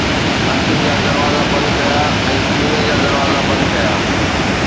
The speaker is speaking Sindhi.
اکين جا دروازا بند ڪيا ۽ سيني جا دروازا بند ڪيا